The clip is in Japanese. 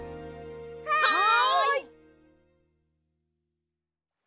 はい！